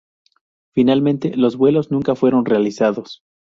Finalmente, los vuelos nunca fueron realizados.